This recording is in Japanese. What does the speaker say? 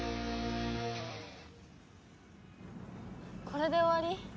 これで終わり？